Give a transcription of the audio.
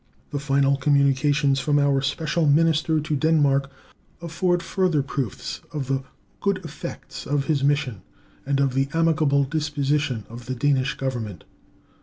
The final communications from our special minister to Denmark afford further proofs of the good effects of his mission, and of the amicable disposition of the Danish Government.